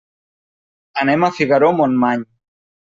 Anem a Figaró-Montmany.